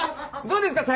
どうですか？